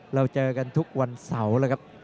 เราเจอกันทุกวันเสานะครับ